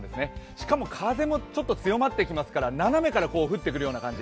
しかも風もちょっと強まってきますから斜めから降ってくるような感じ。